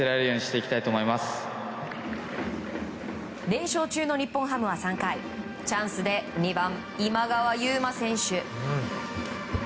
連勝中の日本ハムは３回チャンスで２番、今川優馬選手。